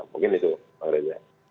mungkin itu pak reza